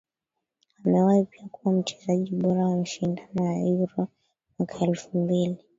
amewahi pia kuwa mchezaji bora wa mashindano ya Euro mwaka elfu mbili